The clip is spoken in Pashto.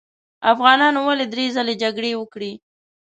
افغانانو ولې درې ځلې جګړې وکړې.